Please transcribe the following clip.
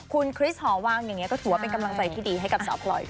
คุณคริสหอวังอย่างนี้ก็ถือว่าเป็นกำลังใจที่ดีให้กับสาวพลอย